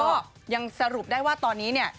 ก็ยังสรุปได้ว่าตอนนี้เนี่ย